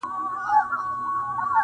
زه دا فکر کؤمه چې بې موره ده ټولنه۔